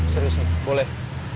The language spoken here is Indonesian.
serius nih boleh